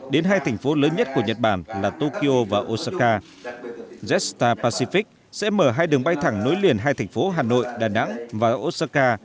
đến hai thành phố lớn nhất của nhật bản là tokyo và osaka jetstar pacific sẽ mở hai đường bay thẳng nối liền hai thành phố hà nội đà nẵng và osaka